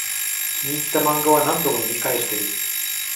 気に入ったマンガは何度も読み返してる